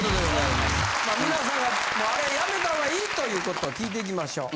まあ皆さんがもうあれヤメた方がいいということを聞いていきましょう。